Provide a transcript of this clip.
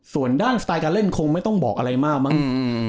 ส่วนด้านสไตล์การเล่นคงไม่ต้องบอกอะไรมากมั้ง